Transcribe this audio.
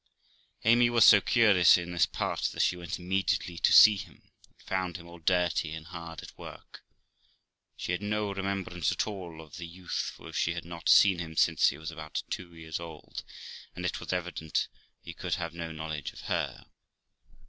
Amy was so curious in this part that she went immediately to see him, and found him all dirty, and hard at work. She had no remembrance at 20 3 o6 THE LIFE OF ROXANA all of the youth, for she had not seen him since he was about two years old ; and it was evident he could have no knowledge of her.